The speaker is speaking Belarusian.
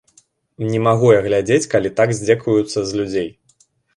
Не магу я глядзець, калі так здзекуюцца з людзей.